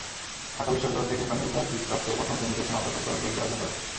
তিনি ঢাকা বিশ্ববিদ্যালয় থেকে প্রাণিবিদ্যার কীটতত্ত্বে প্রথম শ্রেণিতে স্নাতকোত্তর ডিগ্রি অর্জন করেন।